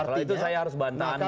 setelah itu saya harus bantah anda